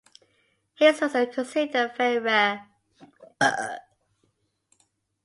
His works are considered very rare.